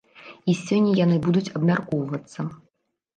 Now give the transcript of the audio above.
І сёння яны будуць абмяркоўвацца.